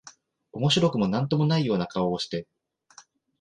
面白くも何とも無いような顔をして、